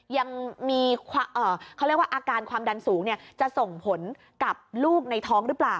ยังมีอาการความดันสูงจะส่งผลกับลูกในท้องหรือเปล่า